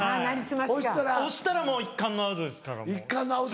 押したらもう一巻のアウトですから進んでったら。